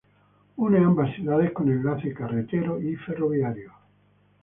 Une ambas ciudades con enlace carretero y ferroviario.